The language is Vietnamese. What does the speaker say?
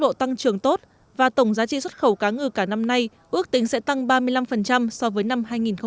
tốc độ tăng trưởng tốt và tổng giá trị xuất khẩu cá ngừ cả năm nay ước tính sẽ tăng ba mươi năm so với năm hai nghìn một mươi tám